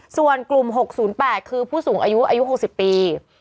ส่วนกลุ่ม๖๐๘คือผู้สูงอายุอายุ๖๐ปี